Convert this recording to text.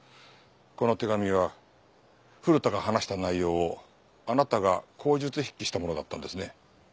この手紙は古田が話した内容をあなたが口述筆記したものだったんですね。